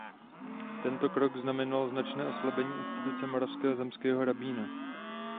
Tento krok znamenal značné oslabení instituce moravského zemského rabína.